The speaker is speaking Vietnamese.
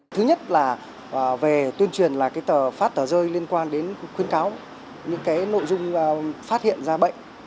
thứ nhất là về tuyên truyền là cái tờ phát tờ rơi liên quan đến khuyến cáo những cái nội dung phát hiện ra bệnh